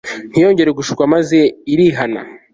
ntiyongera gushukwa maze irihana